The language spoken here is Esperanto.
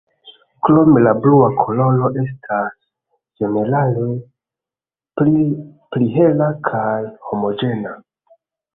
Krome la blua koloro estas ĝenerale pli hela kaj homogena.